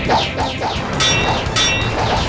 sekarang rasakan tenaga dalamku